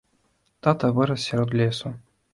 Тата вырас сярод лесу.